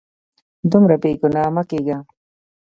دومره بې ګناه مه کیږه